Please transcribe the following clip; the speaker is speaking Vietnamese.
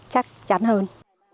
chắc chắn hơn